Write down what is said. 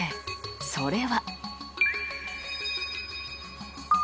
それは。